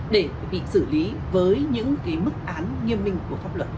để bị xử lý với những cái mức án nghiêm minh của pháp luật